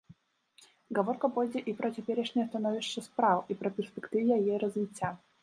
Гаворка пойдзе і пра цяперашняе становішча спраў, і пра перспектывы яе развіцця.